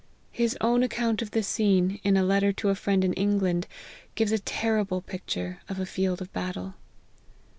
His own account of the scene, in a letter to a friend in England, gives a terrible picture of a field of battle.